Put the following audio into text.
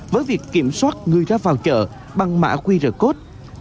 với việc kiểm soát người ra vào chợ bằng mã qr code